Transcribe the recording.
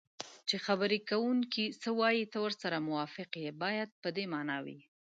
چې خبرې کوونکی څه وایي ته ورسره موافق یې باید په دې مانا وي